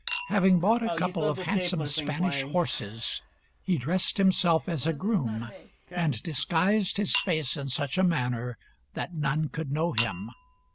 Having bought a couple of handsome Spanish horses, he dressed himself as a groom, and disguised his face in such a manner that none could know him.